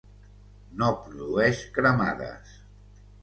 No produeix cremades.